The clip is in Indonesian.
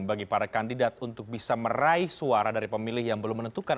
bagi para kandidat untuk bisa meraih suara dari pemilih yang belum menentukan